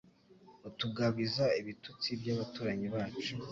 Utugabiza ibitutsi by’abaturanyi bacu